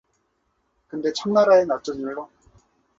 근데 청나라엔 어쩐 일로?